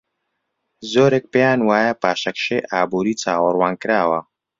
زۆرێک پێیان وایە پاشەکشەی ئابووری چاوەڕوانکراوە.